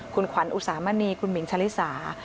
คุณขวัญอุสามณีคุณหมิงชะลิสา